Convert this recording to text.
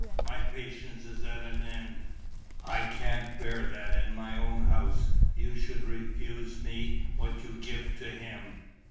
My patience is at an end. I can't bear that in my own house you should refuse me what you give to him....